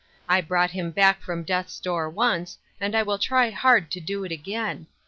I brought him back from death's door once, and I will try hard to do it again.